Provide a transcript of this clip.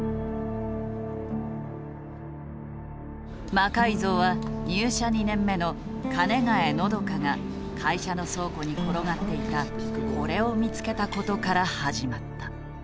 魔改造は入社２年目の鐘ヶ江温克が会社の倉庫に転がっていたこれを見つけたことから始まった。